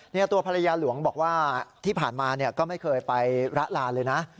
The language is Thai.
ตัวภรรยาหลวงบอกว่าที่ผ่านมาก็ไม่เคยไปละลานเลยนะ